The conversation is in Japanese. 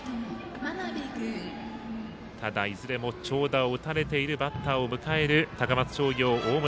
ただいずれも長打を打たれているバッターを迎える高松商業大室。